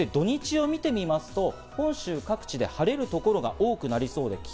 そして土日を見てみますと本州各地で晴れる所が多くなりそう。